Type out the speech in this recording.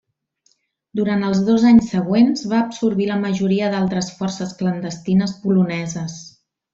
Durant els dos anys següents, va absorbir la majoria d'altres forces clandestines poloneses.